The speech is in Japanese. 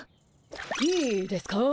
いいですかぁ？